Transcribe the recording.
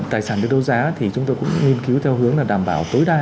tài sản được đấu giá thì chúng tôi cũng nghiên cứu theo hướng là đảm bảo tối đa